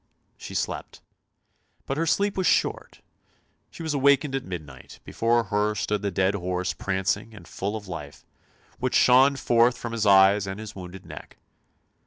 She slept. But her sleep was short, she was awakened at midnight, before her stood the dead horse prancing and full of life, which shone forth from his eyes and his wounded neck.